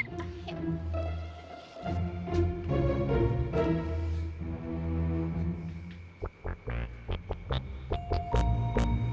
apaan kamu di situ